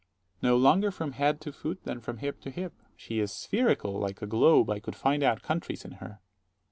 Dro. S. No longer from head to foot than from hip to hip: she is spherical, like a globe; I could find out countries in her.